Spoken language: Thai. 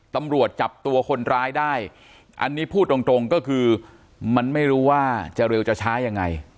ตำรวจจับตัวคนร้ายได้อันนี้พูดตรงตรงก็คือมันไม่รู้ว่าจะเร็วจะช้ายังไง